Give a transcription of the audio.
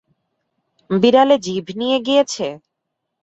বিড়ালে জিভ নিয়ে গিয়েছে?